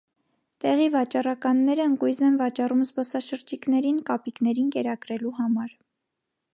Տեղի վաճառականները ընկույզ են վաճառում զբոսաշրջիկներին՝ կապիկներին կերակրելու համար։